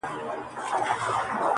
هغه به څرنګه بلا وویني.